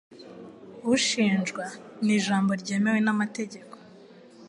"Ushinjwa" ni ijambo ryemewe namategeko